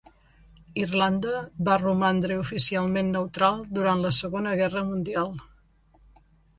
Irlanda va romandre oficialment neutral durant la Segona Guerra Mundial.